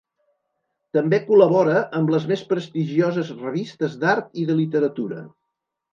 També col·labora amb les més prestigioses revistes d'art i de literatura.